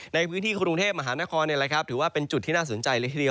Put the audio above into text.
ในพื้นที่กรุงเทพมหานครถือว่าเป็นจุดที่น่าสนใจเลยทีเดียว